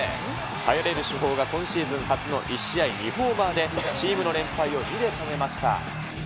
頼れる主砲が今シーズン初の１試合２ホーマーで、チームの連敗を２で止めました。